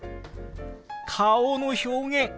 顔の表現！